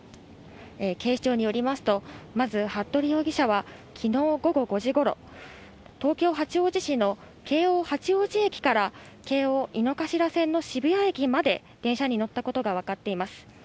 警視庁によりますと、まず服部容疑者は、きのう午後５時ごろ、東京・八王子市の京王八王子駅から京王井の頭線の渋谷駅まで電車に乗ったことが分かっています。